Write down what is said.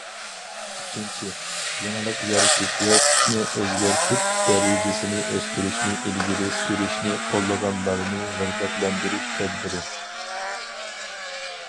ئۈچىنچى، يېڭىلىق يارىتىش ۋە تىپنى ئۆزگەرتىپ دەرىجىسىنى ئۆستۈرۈشنى ئىلگىرى سۈرۈشنى قوللىغانلارنى رىغبەتلەندۈرۈش تەدبىرى.